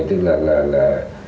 tức là là